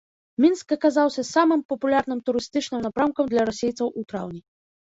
Мінск аказаўся самым папулярным турыстычным напрамкам для расейцаў у траўні.